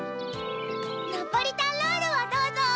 ナポリタンロールをどうぞ！